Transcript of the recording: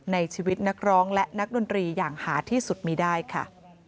ในชีวิตนักร้องและนักดนตรีอย่างหาที่สุดมีได้ค่ะ